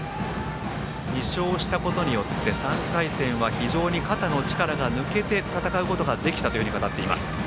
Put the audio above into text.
２勝をしたことによって３回戦は肩の力が抜けて戦うことができたと語っています。